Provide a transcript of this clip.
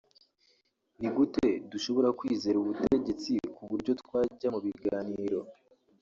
ni gute dushobora kwizera ubutegetsi ku buryo twajya mu biganiro